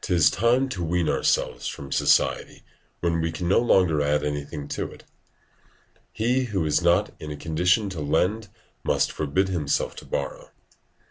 'Tis time to wean ourselves from society when we can no longer add anything to it; he who is not in a condition to lend must forbid himself to borrow.